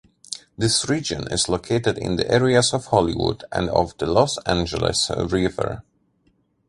This region is located in the areas of Hollywood and of the Los Angeles River.